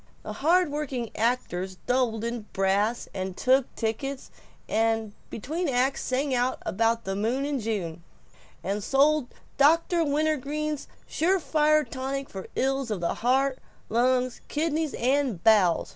The hard working actors doubled in brass, and took tickets; and between acts sang about the moon in June, and sold Dr. Wintergreen's Surefire Tonic for Ills of the Heart, Lungs, Kidneys, and Bowels.